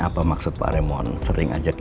apa maksud pak remon sering ajak